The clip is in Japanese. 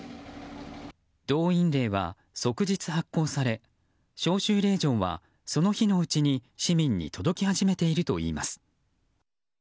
動員令は、即日発効され招集令状はその日のうちに市民に届き始めているといいます。